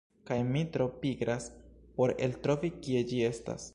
Kaj mi tro pigras por eltrovi kie ĝi estas.